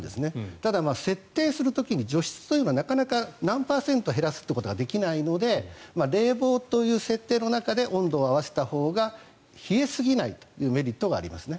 ただ、設定する時に除湿というのはなかなか何パーセント減らすというのができないので冷房という設定の中で温度を合わせたほうが冷えすぎないというメリットがありますね。